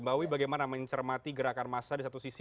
mbak wiwi bagaimana mencermati gerakan masa di satu sisi